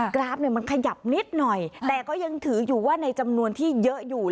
กราฟมันขยับนิดหน่อยแต่ก็ยังถืออยู่ว่าในจำนวนที่เยอะอยู่